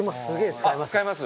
使います。